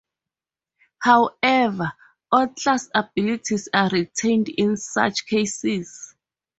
However, all class abilities are retained in such cases.